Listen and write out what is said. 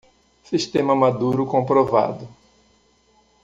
Sistema maduro comprovado